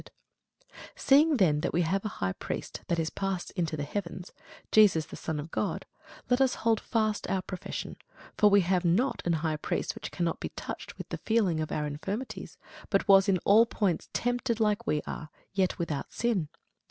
[Sidenote: Hebrews 1] Seeing then that we have a great high priest, that is passed into the heavens, Jesus the Son of God, let us hold fast our profession. For we have not an high priest which cannot be touched with the feeling of our infirmities; but was in all points tempted like as we are, yet without sin.